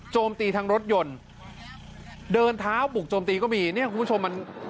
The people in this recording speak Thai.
ตีทั้งรถยนต์เดินเท้าบุกโจมตีก็มีเนี่ยคุณผู้ชมมัน